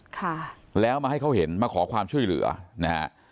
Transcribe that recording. ค่ะแล้วมาให้เขาเห็นมาขอความช่วยเหลือนะฮะ